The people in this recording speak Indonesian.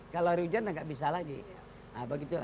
kalau hari hujan tidak bisa lagi